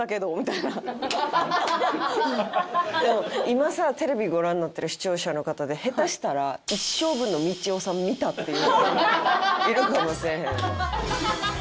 今さテレビご覧になってる視聴者の方で下手したら一生分のみちおさん見たっていういるかもせえへんよな。